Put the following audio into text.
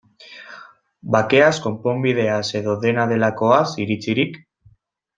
Bakeaz, konponbideaz, edo dena delakoaz iritzirik?